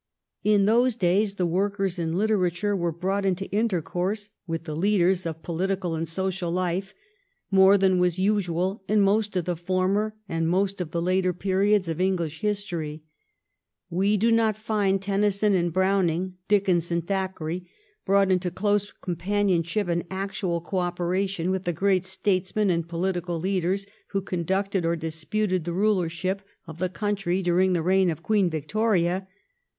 In those days the workers in literature were brought into intercourse with the leaders of political and social life more than was usual in most of the former and most of the later periods of English history. We do not find Tennyson and Browning, Dickens and Thackeray, brought into close companionship and actual co operation with the great statesmen and pohtical leaders who conducted or disputed the ruler ship of the country during the reign of Queen Victoria.